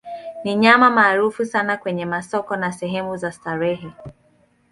Ni nyama maarufu sana kwenye masoko na sehemu za starehe.